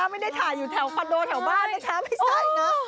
ไม่ได้ถ่ายอยู่แถวคอนโดแถวบ้านนะคะไม่ใช่นะ